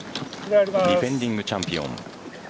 ディフェンディングチャンピオン。